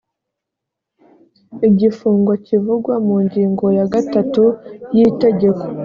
igifungo kivugwa mu ngingo ya gatatu y itegeko